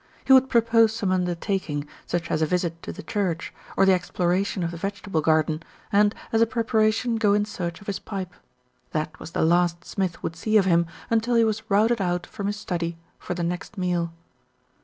He would propose some undertaking, such as a visit to the church, or the exploration of the vegetable garden and, as a preparation, go in search of his pipe. That was the last Smith would see of him until he was routed out from his study for the next meal.